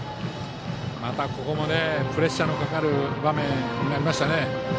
またここもプレッシャーのかかる場面になりましたね。